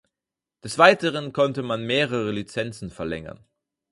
Des Weiteren konnte man mehrere Lizenzen verlängern.